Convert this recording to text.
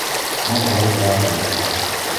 Nwata nwoke ahụ